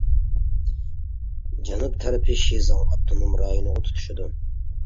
جەنۇب تەرىپى شىزاڭ ئاپتونوم رايونىغا تۇتىشىدۇ.